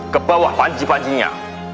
ke bawah panci pancinya